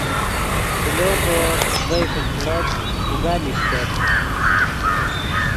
کلو کو ڤئے فیݯیڑت اوگا لیشچت